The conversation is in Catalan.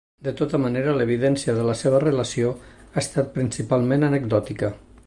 De tota manera, l'evidència de la seva relació ha estat principalment anecdòtica.